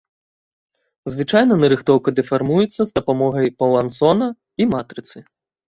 Звычайна нарыхтоўка дэфармуецца з дапамогай пуансона і матрыцы.